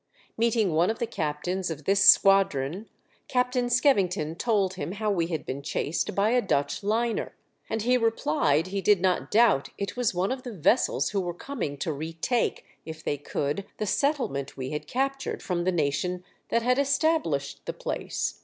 Meeting one of the captains of this squadron, Captain Skevington told him how we had been chased by a Dutch liner, and he replied he did not doubt it was one of the vessels who were coming to retake — if they could — the settlement we had captured from the nation that had established the place.